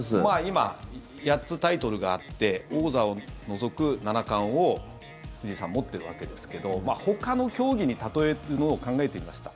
今、８つタイトルがあって王座を除く七冠を藤井さん持ってるわけですけどほかの競技に例えるのを考えてきました。